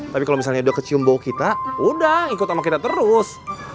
tapi kalau misalnya udah kecium bau kita udah ikut sama kita terus